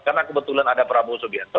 karena kebetulan ada prabowo subianto